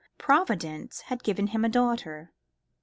Providence had given him a daughter.